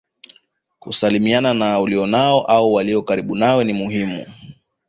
Kusalimiana na ulionao au walio karibu nawe ni muhimu